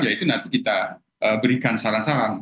ya itu nanti kita berikan saran saran